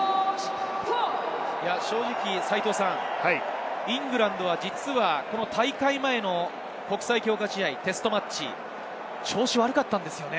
正直、イングランドは実は大会前の国際強化試合、テストマッチ調子悪かったんですよね。